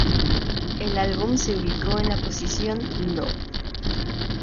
El álbum se ubicó en la posición No.